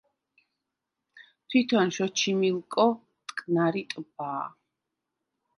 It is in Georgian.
თვითონ შოჩიმილკო მტკნარი ტბაა.